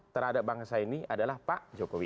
terhadap bangsa ini adalah pak jokowi